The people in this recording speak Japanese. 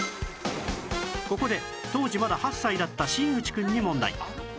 ここで当時まだ８歳だった新内くんに問題